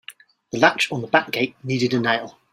The latch on the back gate needed a nail.